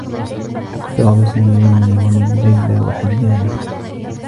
اقترب سامي منّي و من ليلى و حيّانا.